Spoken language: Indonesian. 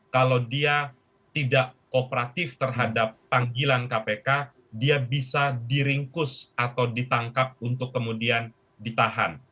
kalau dia tidak kooperatif terhadap panggilan kpk dia bisa diringkus atau ditangkap untuk kemudian ditahan